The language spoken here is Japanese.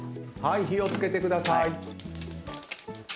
火を付けてください。